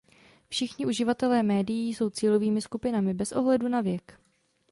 Všichni uživatelé médií jsou cílovými skupinami, bez ohledu na věk.